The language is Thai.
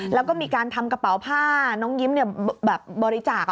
แล้วก็มีการทำกระเป๋าผ้าน้องยิ้มบริจาค